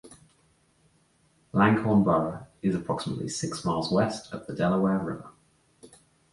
Langhorne Borough is approximately six miles west of the Delaware River.